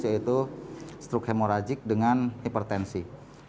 yaitu struk hemorajik dengan hipertensi